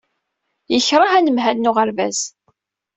Yekṛeh anemhal n uɣerbaz.